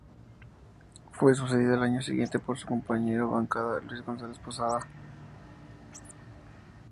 Fue sucedida al año siguiente por su compañero de bancada, Luis Gonzales Posada.